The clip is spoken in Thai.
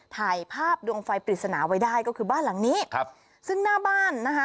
ถ่ายภาพดวงไฟปริศนาไว้ได้ก็คือบ้านหลังนี้ครับซึ่งหน้าบ้านนะคะ